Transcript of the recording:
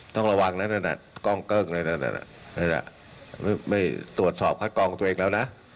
ต้องระวังนะนั่นน่ะกล้องเกิ้งอะไรนั่นไม่ตรวจสอบคัดกองตัวเองแล้วนะ